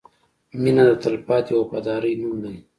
• مینه د تلپاتې وفادارۍ نوم دی.